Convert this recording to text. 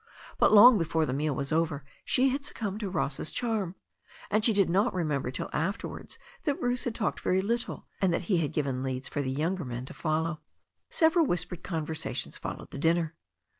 But long before the meal was over she had succumbed to Ross's charm. And she did not remember till afterwards that Bruce had talked very THE STORY OF A NEW ZEALAND RIVER 295 little, and that he had given leads for the younger man to follow. Several whispered conversations followed the dinner.